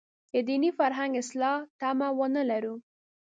د دیني فرهنګ اصلاح تمه ونه لرو.